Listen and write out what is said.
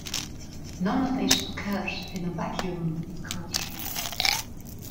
None of this occurs in a vacuum, of course.